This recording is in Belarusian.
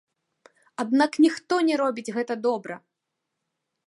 Аднак ніхто не робіць гэта добра!